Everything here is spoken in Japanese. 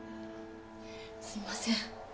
すみません。